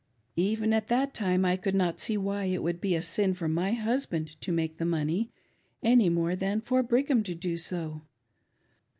Even at that time I could not see why it would be a sin for my husband to make the money, any more than for Brigham to do so.